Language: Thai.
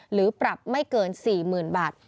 หรือปรับไม่เกิน๔๐๐๐บาท